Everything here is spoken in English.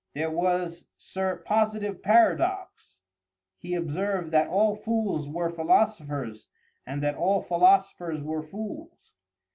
There was Sir Positive Paradox. He observed that all fools were philosophers, and that all philosophers were fools.